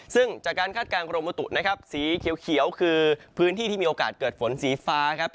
ซึ่งจากการคาดการณกรมบุตุนะครับสีเขียวคือพื้นที่ที่มีโอกาสเกิดฝนสีฟ้าครับ